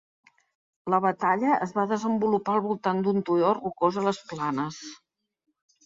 La batalla es va desenvolupar al voltant d'un turó rocós a les planes.